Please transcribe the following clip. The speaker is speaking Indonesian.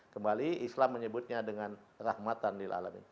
kembali islam menyebutnya dengan rahmatan lil'alamin